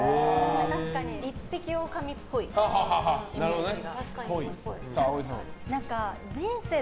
一匹狼っぽいイメージが。